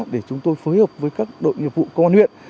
để chúng tôi phối hợp với các đội nghiệp vụ công an huyện